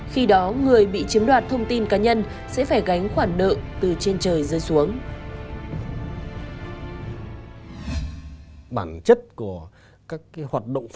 khi đó người bị chiếm đoạt thông tin cá nhân sẽ phải gánh khoản nợ từ trên trời rơi xuống